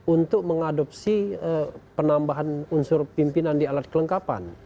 untuk mengadopsi penambahan unsur pimpinan di alat kelengkapan